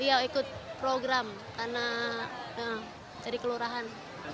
iya ikut program karena jadi kelurahan